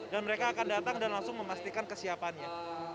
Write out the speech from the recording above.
dan mereka akan datang dan langsung memastikan kesiapannya